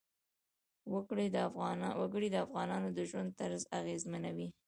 وګړي د افغانانو د ژوند طرز اغېزمنوي.